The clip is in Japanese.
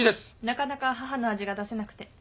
なかなか母の味が出せなくて。